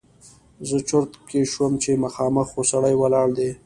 زه چرت کې شوم چې مخامخ خو سړی ولاړ دی!